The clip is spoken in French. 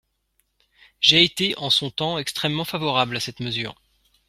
J’ai été, en son temps, extrêmement favorable à cette mesure.